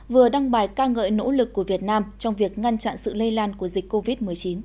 vừa đăng bài ca ngợi nỗ lực của việt nam trong việc ngăn chặn sự lây lan của dịch covid một mươi chín